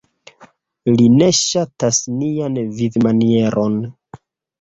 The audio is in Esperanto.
Li ne ŝatas nian vivmanieron.